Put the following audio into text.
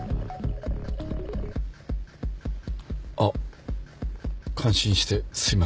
あっ感心してすいません。